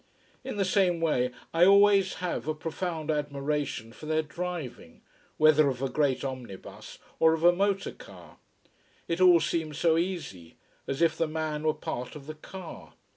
In the same way I always have a profound admiration for their driving whether of a great omnibus or of a motor car. It all seems so easy, as if the man were part of the car.